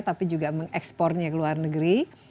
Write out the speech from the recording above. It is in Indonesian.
tapi juga mengekspornya ke luar negeri